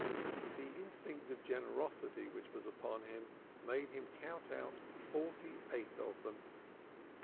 The instinct of generosity which was upon him made him count out forty eight of them.